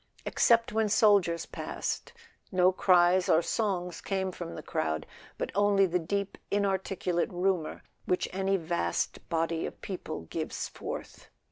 Except when the soldiers passed no cries or songs came from the crowd, but only the deep inarticulate rumour which any vast body of people gives forth.